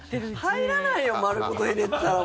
入らないよ丸ごと入れてたら。